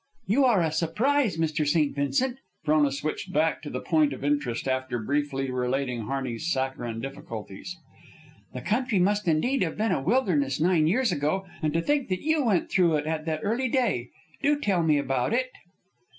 "You are a surprise, Mr. St. Vincent." Frona switched back to the point of interest, after briefly relating Harney's saccharine difficulties. "The country must indeed have been a wilderness nine years ago, and to think that you went through it at that early day! Do tell me about it."